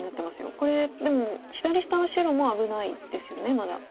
これでも左下の白も危ないですよねまだ。